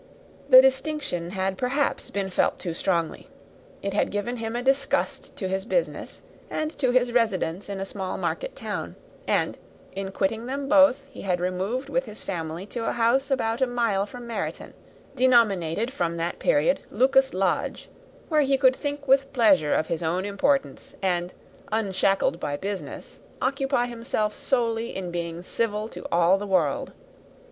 The distinction had, perhaps, been felt too strongly. It had given him a disgust to his business and to his residence in a small market town; and, quitting them both, he had removed with his family to a house about a mile from Meryton, denominated from that period Lucas Lodge; where he could think with pleasure of his own importance, and, unshackled by business, occupy himself solely in being civil to all the world.